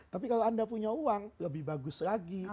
tapi kalau anda punya uang lebih bagus lagi